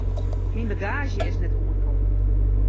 Myn bagaazje is net oankommen.